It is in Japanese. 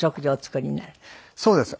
そうです。